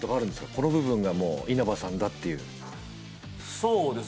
「この部分が稲葉さんだ」っていうそうです